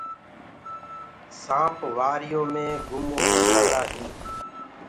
سآنپ وآريو مينٚ گُم هوجآندآ هينٚ۔